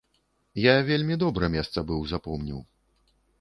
Я вельмі добра месца быў запомніў.